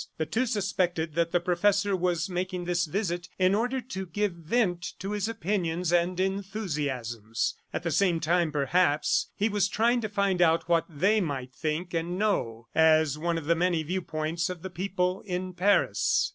The two suspected that the professor was making this visit in order to give vent to his opinions and enthusiasms. At the same time, perhaps, he was trying to find out what they might think and know, as one of the many viewpoints of the people in Paris.